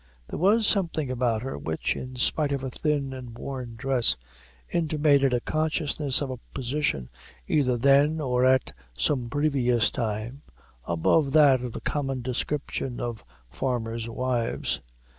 There was something about her which, in spite of her thin and worn dress, intimated a consciousness of a position either then or at some previous time, above that of the common description of farmer's wives.